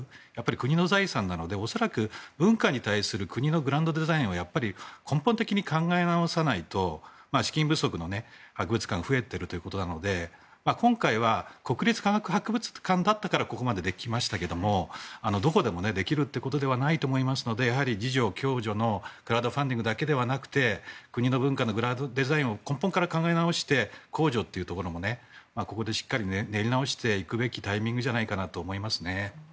国の財産なので恐らく文化に対する国のグランドデザインを根本的に考え直さないと資金不足の博物館が増えているということなので今回は国立科学博物館だったからここまでできましたけどどこでもできるということではないと思いますので自助・共助のクラウドファンディングだけでなく国の文化のブランドデザインを今、根本から考え直して公助というところもここで練り直していくべきタイミングじゃないかと思いますね。